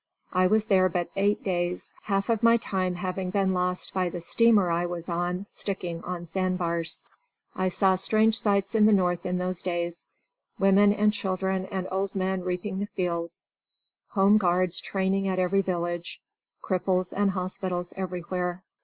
I was there but eight days, half of my time having been lost by the steamer I was on sticking on sandbars. I saw strange sights in the North in those few days women and children and old men reaping the fields; home guards training at every village; cripples and hospitals everywhere.